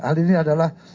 hal ini adalah